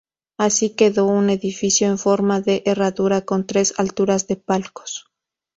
Así quedó un edificio en forma de herradura con tres alturas de palcos.